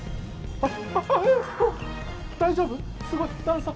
あっ！